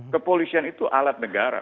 kepolisian itu alat negara